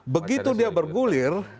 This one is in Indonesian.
begitu dia bergulir